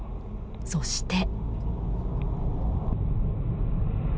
そして。